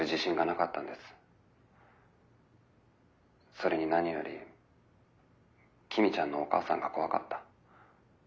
それに何より公ちゃんのお母さんが怖かった。